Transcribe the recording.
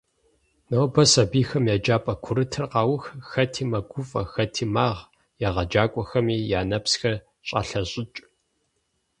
Нобэ сэбийхэм еджапӏэ курытыр къаух - хэти мэгуфӏэ, хэти магъ, егъэджакӏуэхэми я нэпсхэр щӏалъэщӏыкӏ.